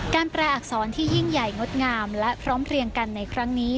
แปลอักษรที่ยิ่งใหญ่งดงามและพร้อมเพลียงกันในครั้งนี้